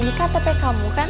ini kan tepek kamu kan